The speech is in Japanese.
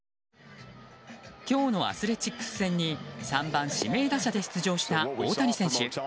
今日のアスレチックス戦に３番指名打者で出場した大谷選手。